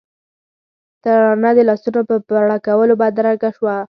ترانه د لاسونو په پړکولو بدرګه شوه.